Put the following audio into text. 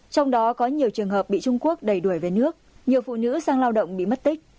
trong đó có nhiều trường hợp bị trung quốc đẩy đuổi về nước nhiều phụ nữ sang lao động bị mất tích